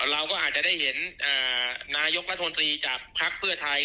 เราก็อาจจะได้เห็นนายกละทนตรีจากพรรคเพื่อไทย